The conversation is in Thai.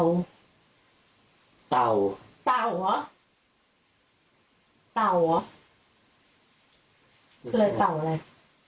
ว่าอะไรคะชิมีอะไรคะ